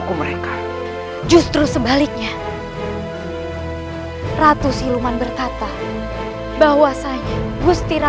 kau akan berhenti